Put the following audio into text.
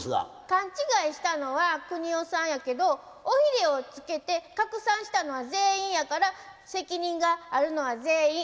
勘違いしたのはくにおさんやけど尾ひれをつけて拡散したのは全員やから責任があるのは全員。